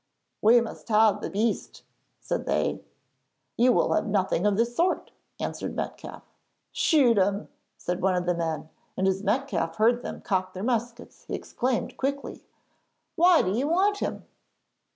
'We must have that beast,' said they. 'You will have nothing of the sort,' answered Metcalfe. 'Shoot him,' said one of the men, and as Metcalfe heard them cock their muskets he exclaimed quickly: 'Why do you want him?'